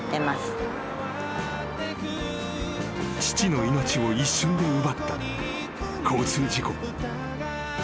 ［父の命を一瞬で奪った交通事故］